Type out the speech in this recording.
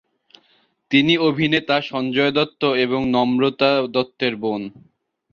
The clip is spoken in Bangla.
তিনি অভিনেতা সঞ্জয় দত্ত এবং নম্রতা দত্তের বোন।